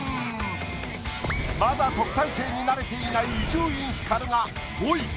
まだ特待生になれていない伊集院光が５位。